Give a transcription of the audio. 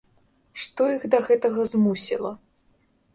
Што іх да гэтага змусіла?